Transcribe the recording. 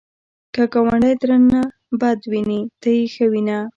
که ګاونډی درنه بد ویني، ته یې ښه وینه